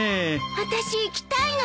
私行きたいの！